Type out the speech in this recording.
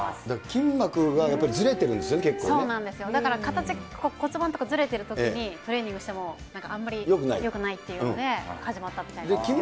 筋膜がやっぱりずれてるんでそうなんですよ、だから形、骨盤とかずれてるときにトレーニングしても、あんまりよくないっていうので、始まったみたいなんですけど。